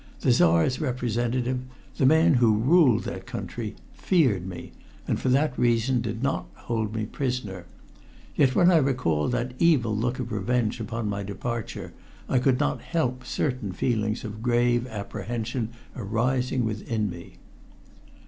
The Czar's representative the man who ruled that country feared me, and for that reason did not hold me prisoner. Yet when I recalled that evil look of revenge on my departure, I could not help certain feelings of grave apprehension arising within me.